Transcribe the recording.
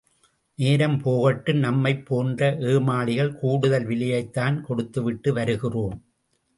நேரம் போகட்டும் நம்மைப் போன்ற ஏமாளிகள் கூடுதல் விலையைத் தான் கொடுத்துவிட்டு வருகிறோம்.